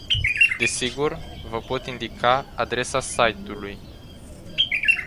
Desigur, vă pot indica adresa site-ului.